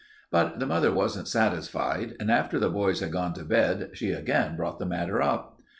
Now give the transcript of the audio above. But the mother wasn't satisfied, and after the boys had gone to bed she again brought the matter up.